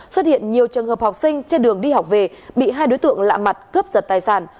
xuất hiện nhiều trường hợp học sinh trên đường đi học về bị hai đối tượng lạ mặt cướp giật tài sản